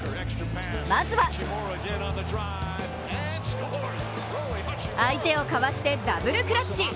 まずは相手をかわしてダブルクラッチ。